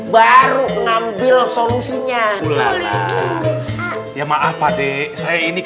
baru ngambil solusinya ya maaf adek saya ini